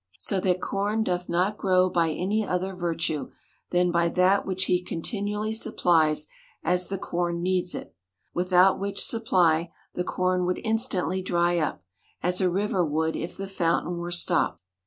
So that corn doth not grow by any other virtue, than by that which he continually supplies as the corn needs it ; without which supply, the corn would instantly dry up, as a river would if the fountain were stopped.